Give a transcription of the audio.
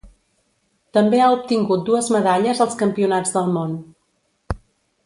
També ha obtingut dues medalles als Campionats del món.